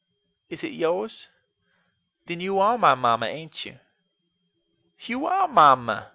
"Is it yours? Then you are my mamma; ain't you? You are Mamma!"